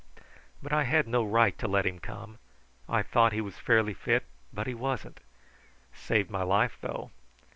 But I had no right to let him come. I thought he was fairly fit, but he wasn't. Saved my life, though.